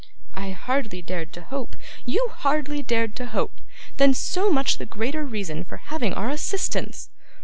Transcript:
'I hardly dared to hope ' 'You hardly dared to hope! Then, so much the greater reason for having our assistance!